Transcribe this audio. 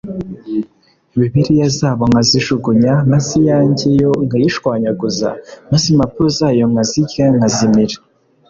Bibiliya zabo nkazijugunya maze iyanjye yo nkayishwanyaguza maze impapuzo zayo nkazirya nkazimira